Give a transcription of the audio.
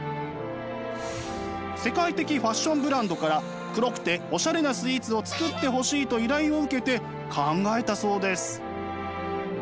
世界的ファッションブランドから黒くてオシャレなスイーツを作ってほしいと依頼を受けて考えたそうです。